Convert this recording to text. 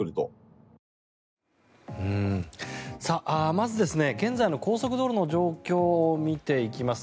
まず、現在の高速道路の状況を見ていきます。